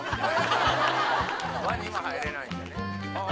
輪には入れないんだね。